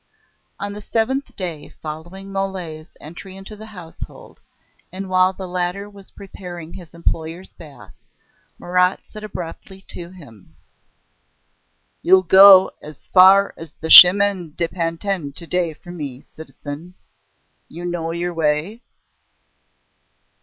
On the seventh day following Mole's entry into the household, and while the latter was preparing his employer's bath, Marat said abruptly to him: "You'll go as far as the Chemin de Pantin to day for me, citizen. You know your way?"